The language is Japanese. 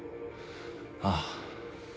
ああ。